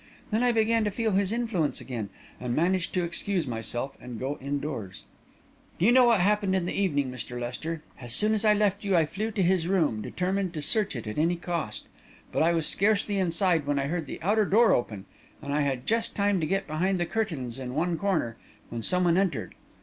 Then I began to feel his influence again, and managed to excuse myself and go indoors. "You know what happened in the evening, Mr. Lester. As soon as I left you, I flew to his room, determined to search it at any cost. But I was scarcely inside, when I heard the outer door open, and I had just time to get behind the curtains in one corner, when someone entered.